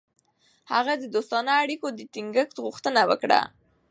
هغه د دوستانه اړیکو د ټینګښت غوښتنه وکړه.